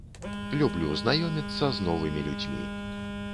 Люблю знаёміцца з новымі людзьмі.